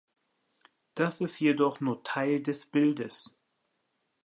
Das ist jedoch nur Teil des Bildes.